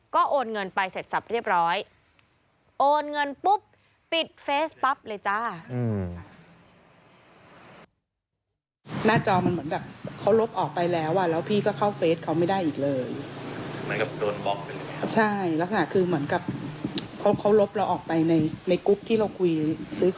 ก็โอนเงินไปเสร็จสรรพเรียบร้อย